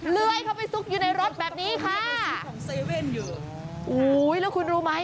เลื้อยเข้าไปซุกอยู่ในรถแบบนี้ค่ะแล้วคุณรู้ไหม